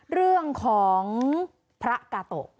เรื่องของพระกาโตะ